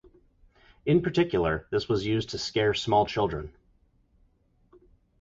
In particular, this was used to scare small children.